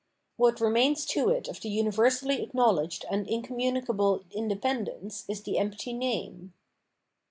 What remains to it of the universally acknowledged and incommunic able independence is the empty name.